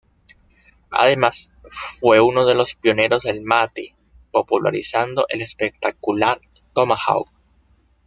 Además, fue uno de los pioneros del mate, popularizando el espectacular "Tomahawk".